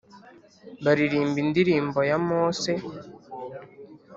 baririmba indirimbo ya Mose